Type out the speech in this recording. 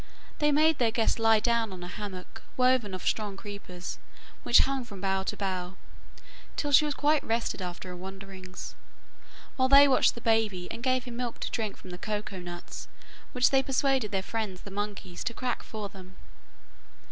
They made their guest lie down on a hammock woven of the strong creepers which hung from bough to bough, till she was quite rested after her wanderings, while they watched the baby and gave him milk to drink from the cocoa nuts which they persuaded their friends the monkeys to crack for them.